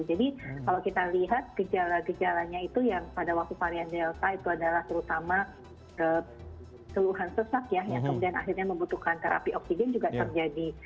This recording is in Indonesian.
jadi kalau kita lihat gejala gejalanya itu yang pada waktu varian delta itu adalah terutama keluhan sesak ya yang kemudian akhirnya membutuhkan terapi oksigen juga terjadi